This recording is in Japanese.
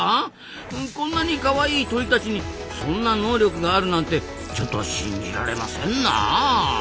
こんなにカワイイ鳥たちにそんな能力があるなんてちょっと信じられませんなあ。